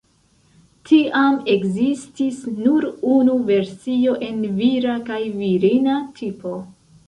Tiam ekzistis nur unu versio en vira kaj virina tipo.